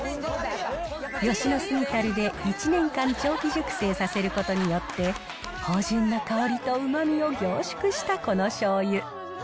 吉野杉樽で１年間長期熟成させることによって、芳じゅんな香りとうまみを凝縮したこの醤油。